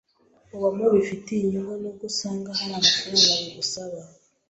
ubamo bifite inyungu n’ubwo usanga hari amafaranga bigusaba.